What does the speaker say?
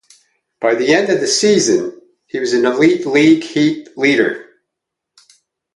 By the end of the season, he was an Elite League heat-leader.